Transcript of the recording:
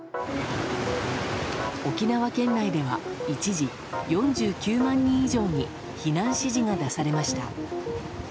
沖縄県内では一時４９万人以上に避難指示が出されました。